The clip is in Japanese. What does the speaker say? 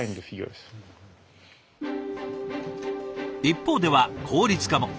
一方では効率化も。